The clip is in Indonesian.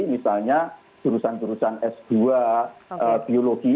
misalnya jurusan jurusan s dua biologi